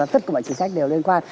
tất cả mọi chính sách đều liên quan